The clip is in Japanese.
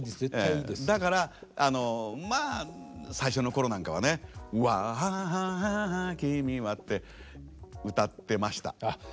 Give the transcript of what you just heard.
だからまあ最初の頃なんかはね「わああ君は」って歌ってました。